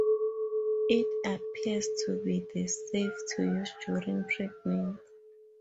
It appears to be safe to use during pregnancy.